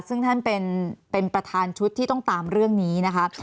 ซึ่งท่านเป็นประธานชุดที่ต้องตามเรื่องนี้นะคะ